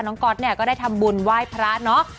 ก๊อตเนี่ยก็ได้ทำบุญไหว้พระเนอะ